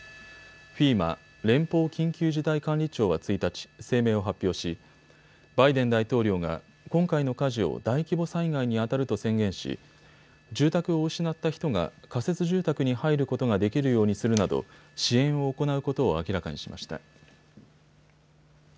ＦＥＭＡ・連邦緊急事態管理庁は１日、声明を発表しバイデン大統領が今回の火事を大規模災害にあたると宣言し、住宅を失った人が仮設住宅に入ることができるようにするなど支援を行うことを明らかにしました。